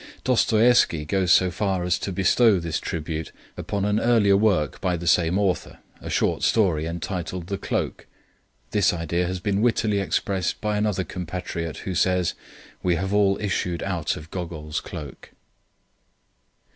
Dostoieffsky goes so far as to bestow this tribute upon an earlier work by the same author, a short story entitled The Cloak; this idea has been wittily expressed by another compatriot, who says: "We have all issued out of Gogol's Cloak."